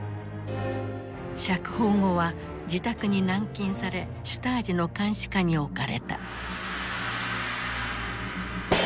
釈放後は自宅に軟禁されシュタージの監視下に置かれた。